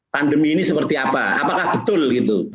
pandemi ini seperti apa apakah betul gitu